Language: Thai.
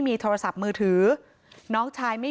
พี่สาวบอกว่าไม่ได้ไปกดยกเลิกรับสิทธิ์นี้ทำไม